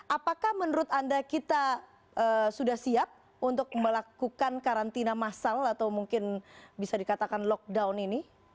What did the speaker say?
apakah menurut anda kita sudah siap untuk melakukan karantina massal atau mungkin bisa dikatakan lockdown ini